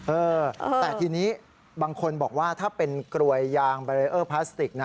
เออแต่ทีนี้บางคนบอกว่าถ้าเป็นกรวยยางบารีเออร์พลาสติกนะ